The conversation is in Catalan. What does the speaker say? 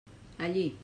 Allí!